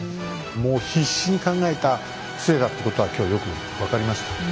もう必死に考えたせいだってことは今日よく分かりましたはい。